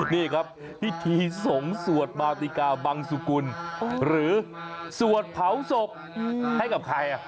นี่ครับพิธีสงฆ์สวดมาติกาบังสุกุลหรือสวดเผาศพให้กับใคร